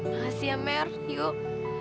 makasih ya mer yuk